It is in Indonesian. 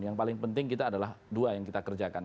yang paling penting kita adalah dua yang kita kerjakan